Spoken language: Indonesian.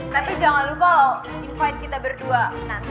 tapi jangan lupa loh invite kita berdua nanti